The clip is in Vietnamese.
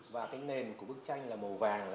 và cái nền của bức tranh là màu vàng